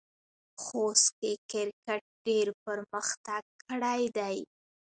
خوست کې کرکټ ډېر پرمختګ کړی دی.